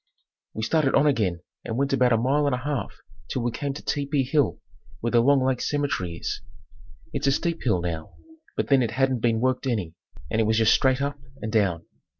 We started on again and went about a mile and a half till we came to Tepee hill where the Long Lake cemetery is. It's a steep hill now, but then it hadn't been worked any and it was just straight up and down.